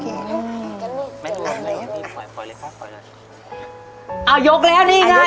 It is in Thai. เอายกแล้วนี่ไง